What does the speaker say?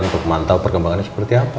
untuk memantau perkembangannya seperti apa